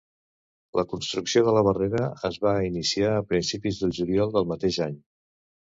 La construcció de la barrera es va iniciar a principis de juliol del mateix any.